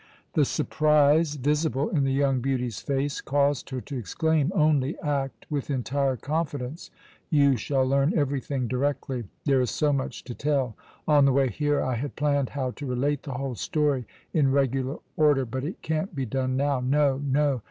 The surprise visible in the young beauty's face caused her to exclaim: "Only act with entire confidence. You shall learn everything directly. There is so much to tell! On the way here I had planned how to relate the whole story in regular order, but it can't be done now. No, no!